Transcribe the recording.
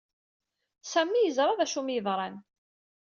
Sami yeẓra d acu ay am-yeḍran.